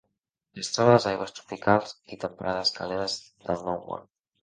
Es troba a les aigües tropicals i temperades càlides del Nou Món.